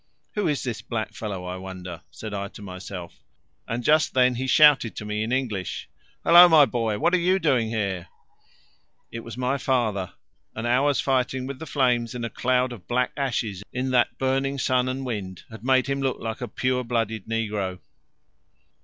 "Who is this black fellow, I wonder?" said I to myself, and just then he shouted to me in English, "Hullo, my boy, what are you doing here?" It was my father; an hour's fighting with the flames in a cloud of black ashes in that burning sun and wind had made him look like a pure blooded negro!